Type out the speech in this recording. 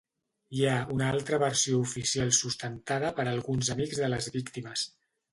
Hi ha una altra versió oficial sustentada per alguns amics de les víctimes.